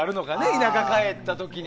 田舎帰った時に。